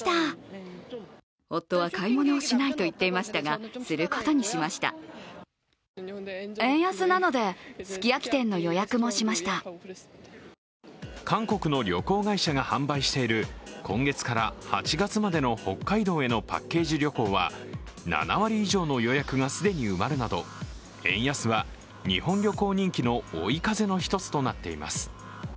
空港で話を聞いてみると韓国の旅行会社が販売している今月から８月までの北海道へのパッケージ旅行は７割以上の予約が既に埋まるなど円安は日本旅行人気の追い風の１つとなっています。